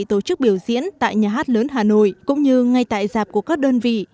các đơn vị tổ chức biểu diễn tại nhà hát lớn hà nội cũng như ngay tại giạp của các đơn vị